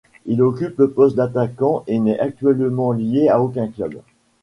Il occupe le poste d'attaquant et n'est actuellement lié à aucun club.